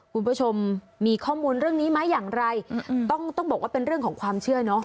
คุณผู้ชมมีข้อมูลเรื่องนี้ไหมอย่างไรต้องต้องบอกว่าเป็นเรื่องของความเชื่อเนอะ